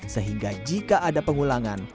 sehingga jika ada pengulangan